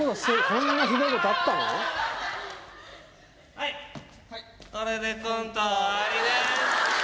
はいこれでコントは終わりです